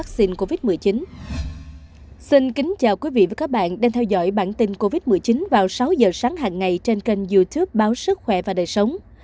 xin chào quý vị và các bạn đang theo dõi bản tin covid một mươi chín vào sáu giờ sáng hàng ngày trên kênh youtube báo sức khỏe và đời sống